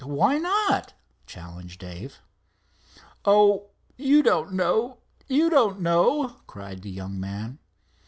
"Why not?" challenged Dave. "Oh, you don't know, you don't know!" cried the young man.